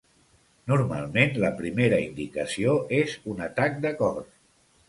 Normalment la primera indicació és un atac de cor.